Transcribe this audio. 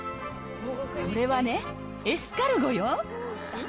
これはね、エスカルゴよ。